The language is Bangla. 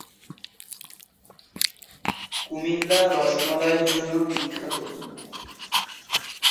এছাড়াও তিনি মানবাধিকার লঙ্ঘন নথিভূক্ত করার ব্লগ "ইয়েমেন রাইটস মনিটরের" সহ-প্রতিষ্ঠাতা, মানবাধিকার লঙ্ঘনের রেকর্ড করার জন্য একটি ব্লগ।